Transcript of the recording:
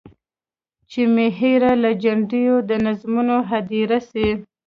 چي مي هېره له جنډیو د نظمونو هدیره سي.